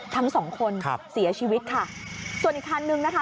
ทั้งสองคนครับเสียชีวิตค่ะส่วนอีกคันนึงนะคะ